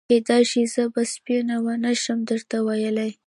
کېدای شي زه به سپینه ونه شم درته ویلای.